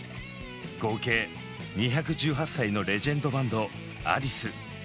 合計２１８歳のレジェンドバンドアリス。